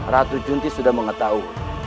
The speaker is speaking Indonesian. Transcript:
ratu junti sudah mengetahui